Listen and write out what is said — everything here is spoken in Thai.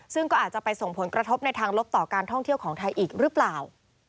ซึ่งก็อาจจะไปส่งผลกระทบในทางลบต่อการท่องเที่ยวของไทยอีกหรือเปล่า